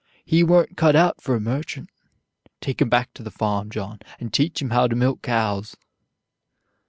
He weren't cut out for a merchant. Take him back to the farm, John, and teach him how to milk cows!"